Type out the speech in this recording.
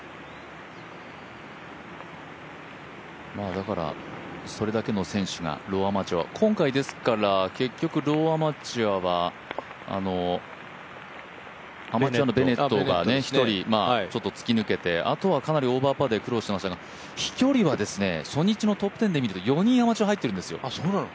だから、それだけの選手がローアマチュアを今回、結局ローアマチュアはアマチュアのベネットが１人、突き抜けてあとはかなりオーバーパーで苦労していましたが飛距離は初日のトップ１０でいうと４人アマチュア入っているんですよ